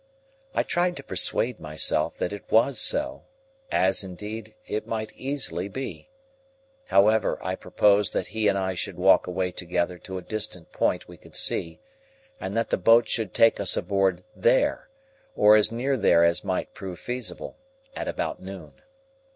I tried to persuade myself that it was so,—as, indeed, it might easily be. However, I proposed that he and I should walk away together to a distant point we could see, and that the boat should take us aboard there, or as near there as might prove feasible, at about noon.